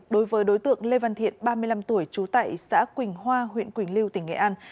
đối với đối tượng lê văn thiện ba mươi năm tuổi trú tại xã quỳnh hoa huyện quỳnh lưu tỉnh nghệ an